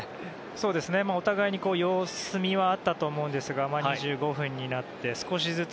そうですね、お互いに様子見はあったと思うんですが２５分になって少しずつ。